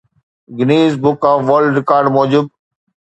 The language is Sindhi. Guinness book of world record موجب